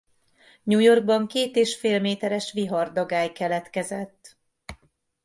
New Yorkban két és fél méteres vihardagály keletkezett.